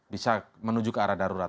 bisa menuju ke arah darurat